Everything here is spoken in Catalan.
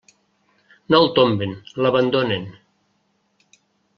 No el tomben, l'abandonen.